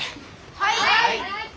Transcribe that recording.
はい！